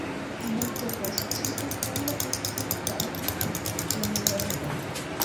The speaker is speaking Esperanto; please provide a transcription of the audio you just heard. Ne povas ĉiu homo esti pap' en Romo.